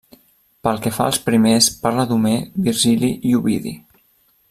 Pel que fa als primers parla d'Homer, Virgili i Ovidi.